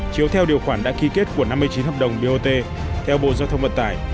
chiếu theo điều khoản đã ký kết của năm mươi chín hợp đồng bot theo bộ giao thông vận tải